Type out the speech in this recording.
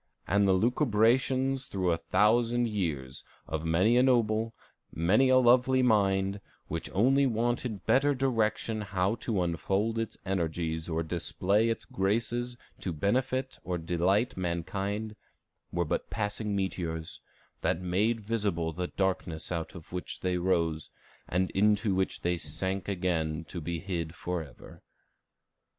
"And the lucubrations through a thousand years, of many a noble, many a lovely mind, which only wanted better direction how to unfold its energies or display its graces to benefit or delight mankind, were but passing meteors, that made visible the darkness out of which they rose, and into which they sank again to be hid forever."